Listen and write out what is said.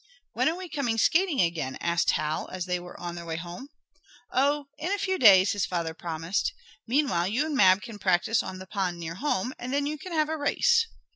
"When are we coming skating again?" asked Hal as they were on their way home. "Oh, in a few days," his father promised. "Meanwhile you and Mab can practice on the pond near home, and then you can have a race."